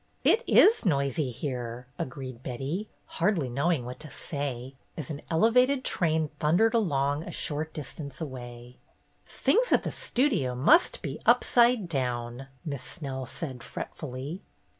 "It is noisy here," agreed Betty, hardly knowing what to say, as an elevated train thundered along a short distance away. MISS SNELL'S VISIT 269 ^'Things at the Studio must be upside down/' Miss Snell said fretfully.